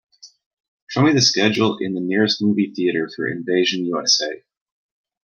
Show me the schedule in the nearest movie theatre for Invasion U.S.A..